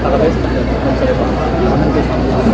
kalau saya panggilkan ke pak kapas